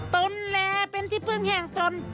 ตนและเป็นที่พึ่งแห่งตน